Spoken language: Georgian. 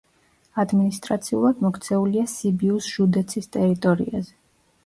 ადმინისტრაციულად მოქცეულია სიბიუს ჟუდეცის ტერიტორიაზე.